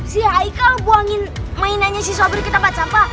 si haikal buangin mainannya si sopri ke tempat sampah